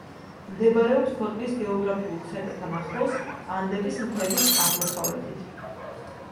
მდებარეობს ქვეყნის გეოგრაფიულ ცენტრთან ახლოს, ანდების მთების აღმოსავლეთით.